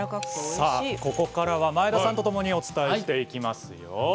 さあここからは前田さんと共にお伝えしていきますよ。